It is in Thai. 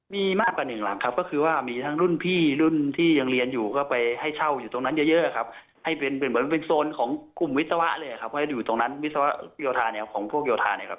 มีมากกว่าหนึ่งหลังครับก็คือว่ามีทั้งรุ่นพี่รุ่นที่ยังเรียนอยู่ก็ไปให้เช่าอยู่ตรงนั้นเยอะครับให้เป็นเหมือนเป็นโซนของกลุ่มวิศวะเลยครับเพราะอยู่ตรงนั้นวิศวะโยธาแนวของพวกโยธาเนี่ยครับ